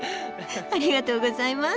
ありがとうございます。